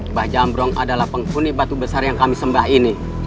mbah jambrong adalah penghuni batu besar yang kami sembah ini